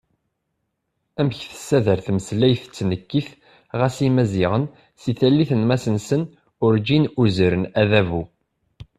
Amek tessader tmeslayt d tnekkit ɣas Imaziɣen, si tallit n Masnsen, urǧin uzren adabu!